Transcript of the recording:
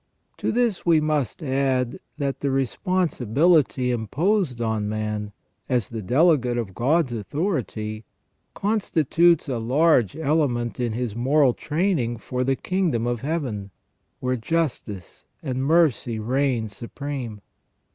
To this we must add, that the responsibility imposed on man, as the delegate of God's authority, constitutes a large element in his moral training for the Kingdom of Heaven, where justice and mercy reign supreme.